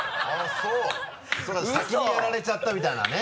そうか先にやられちゃったみたいなね。